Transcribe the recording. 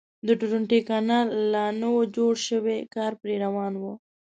د درونټې کانال لا نه و جوړ شوی کار پرې روان و.